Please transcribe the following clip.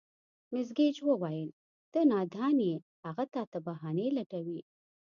مېس ګېج وویل: ته نادان یې، هغه تا ته بهانې لټوي.